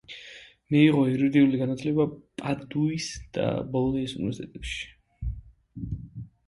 მიიღო იურიდიული განათლება პადუის და ბოლონიის უნივერსიტეტებში.